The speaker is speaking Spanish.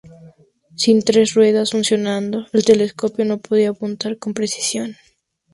Sin tres ruedas funcionando, el telescopio no podía apuntar con precisión.